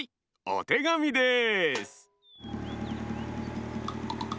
おてがみです。